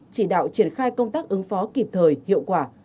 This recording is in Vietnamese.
chỉ đạo triển khai công tác ứng phó kịp thời hiệu quả